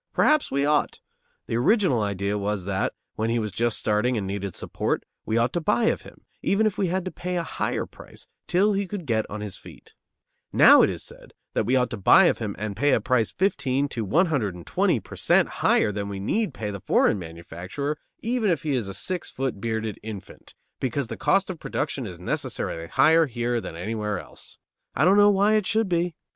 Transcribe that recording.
Perhaps we ought. The original idea was that, when he was just starting and needed support, we ought to buy of him, even if we had to pay a higher price, till he could get on his feet. Now it is said that we ought to buy of him and pay him a price 15 to 120 per cent. higher than we need pay the foreign manufacturer, even if he is a six foot, bearded "infant," because the cost of production is necessarily higher here than anywhere else. I don't know why it should be.